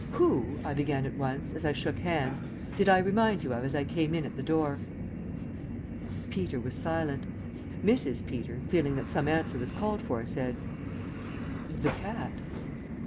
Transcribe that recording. "Who," I began at once, as I shook hands, "did I remind you of as I came in at the door?" Peter was silent. Mrs. Peter, feeling that some answer was called for, said, "The cat."